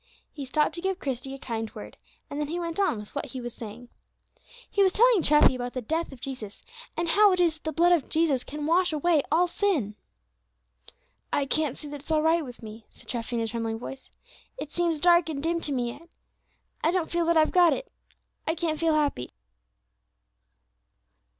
He stopped to give Christie a kind word, and then he went on with what he was saying. He was telling Treffy about the death of Jesus, and how it is that the blood of Jesus can wash away all sin. "I can't see that it's all right with me," said Treffy, in a trembling voice; "it seems dark and dim to me yet. I don't feel that I've got it; I can't feel happy."